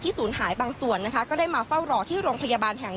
ศูนย์หายบางส่วนนะคะก็ได้มาเฝ้ารอที่โรงพยาบาลแห่ง๑